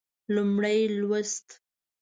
لومړی لوست